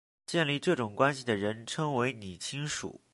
建立这种关系的人称为拟亲属。